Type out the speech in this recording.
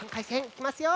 いきますよ。